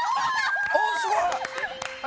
おすごい！